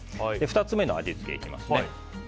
２つ目の味付けいきますね。